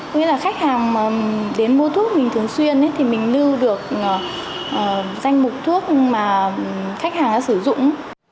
có nghĩa là khách hàng mà đến mua thuốc mình thường xuyên thì mình lưu được danh mục thuốc mà khách hàng đã sử dụng